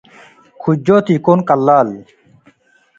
ኩጆት ኢኮን ቀላል